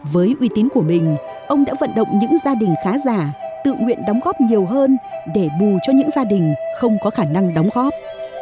với uy tín của mình ông đã vận động những gia đình khá giả tự nguyện đóng góp nhiều hơn để bù cho những gia đình không có khả năng đóng góp